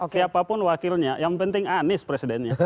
siapapun wakilnya yang penting anies presidennya